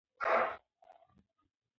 انا وویل چې دا یو لوی امتحان دی.